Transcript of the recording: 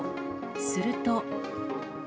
すると。